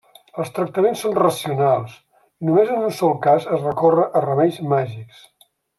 Els tractaments són racionals, i només en un sol cas es recorre a remeis màgics.